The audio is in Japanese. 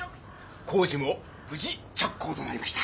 工事も無事着工となりました。